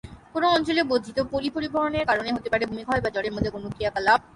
কোন অঞ্চলে বর্ধিত পলি পরিবহনের কারণ হতে পারে ভূমিক্ষয় বা জলের মধ্যে কোন ক্রিয়াকলাপ।